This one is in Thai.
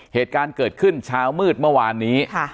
เหตุการณ์เกิดขึ้นเช้ามืดเมื่อวานนี้